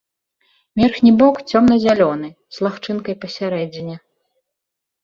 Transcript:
Верхні бок цёмна-зялёны, з лагчынкай пасярэдзіне.